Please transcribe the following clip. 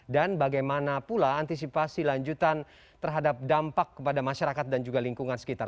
dan bagaimana pula antisipasi lanjutan terhadap dampak kepada masyarakat dan juga lingkungan sekitar